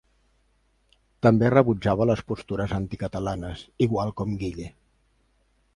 També rebutjava les postures anticatalanes, igual com Guille.